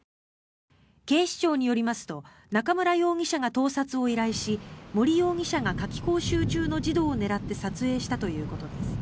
警視庁によりますと中村容疑者が盗撮を依頼し森容疑者が夏期講習中の児童を狙って撮影したということです。